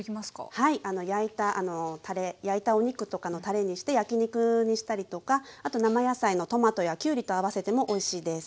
はい焼いたお肉とかのたれにして焼き肉にしたりとかあと生野菜のトマトやキュウリと合わせてもおいしいです。